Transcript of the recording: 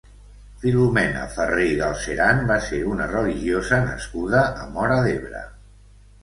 Filomena Ferrer i Galzeran va ser una religiosa nascuda a Móra d'Ebre.